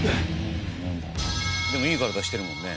でもいい体してるもんね。